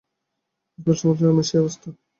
স্পষ্টই বুঝলেম, অমিয়ার সেই অবস্থা।